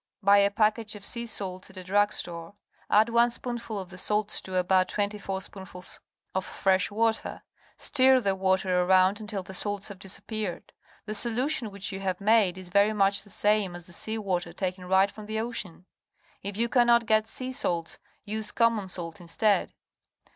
Buy a package of sea salts at a drug store. Add one spoonful of the salts to about twenty four spoonfuls of fresh water. Stir the water around until the salts have disappeared. The solution which you have made is very much the same as sea water taken right from the ocean. If you cannot get sea salts, use common salt instead.